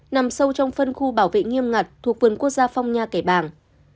nằm sâu trong phân khu bảo vệ nghiêm ngặt thuộc vườn quốc gia phong nha cải bảng